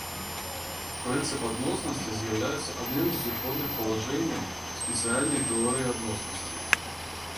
Прынцып адноснасці з'яўляецца адным з зыходных палажэнняў спецыяльнай тэорыі адноснасці.